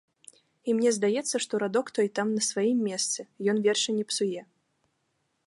І мне здаецца, што радок той там на сваім месцы, ён верша не псуе.